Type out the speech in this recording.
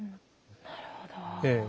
なるほど。